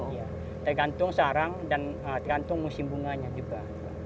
iya tergantung sarang dan tergantung musim bunganya juga